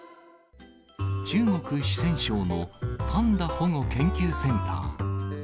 中国・四川省のパンダ保護研究センター。